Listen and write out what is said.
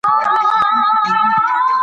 چی خدای یی شرموي داوښ دپاسه به یی سپی وخوري .